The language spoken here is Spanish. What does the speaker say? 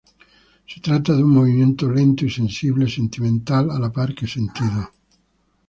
Se trata de un movimiento lento y sensible, sentimental a la par que sentido.